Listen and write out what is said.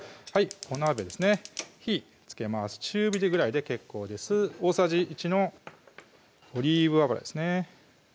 お鍋ですね火つけます中火ぐらいで結構です大さじ１のオリーブ油ですね